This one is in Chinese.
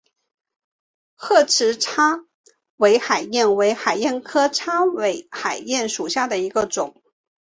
褐翅叉尾海燕为海燕科叉尾海燕属下的一个种。